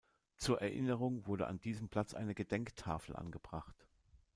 Zur Erinnerung wurde an diesem Platz eine Gedenktafel angebracht.